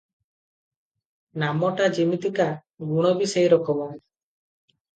ନାମଟା ଯିମିତିକା, ଗୁଣ ବି ସେଇ ରକମ ।